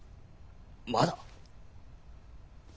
まだ？